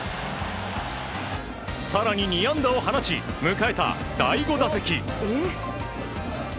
更に、２安打を放ち迎えた第５打席。